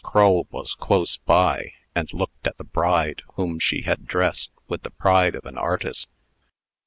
Crull was close by, and looked at the bride, whom she had dressed, with the pride of an artist.